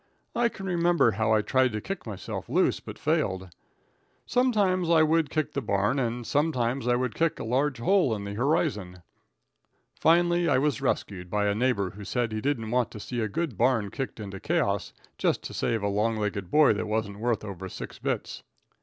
I can remember how I tried to kick myself loose, but failed. Sometimes I would kick the barn and sometimes I would kick a large hole in the horizon. Finally I was rescued by a neighbor who said he didn't want to see a good barn kicked into chaos just to save a long legged boy that wasn't worth over six bits.